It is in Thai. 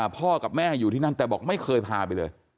พ่อกับแม่อยู่ที่นั่นแต่บอกไม่เคยพาไปเลย